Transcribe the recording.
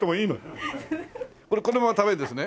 これこのまま食べるんですね？